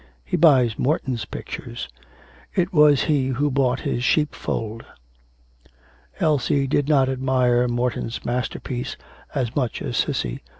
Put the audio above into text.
He buys Morton's pictures.... It was he who bought his "Sheepfold."' Elsie did not admire Morton's masterpiece as much as Cissy.